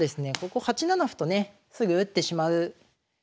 ここ８七歩とねすぐ打ってしまう手がね